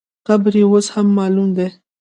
قبر یې اوس هم معلوم دی.